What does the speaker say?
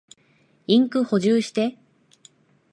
インク補充して。